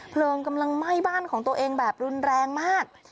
เพลิงกำลังไหม้บ้านของตัวเองแบบรุนแรงมาก